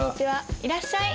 いらっしゃい。